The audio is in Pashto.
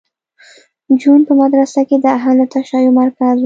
جون په مدرسه کې د اهل تشیع مرکز و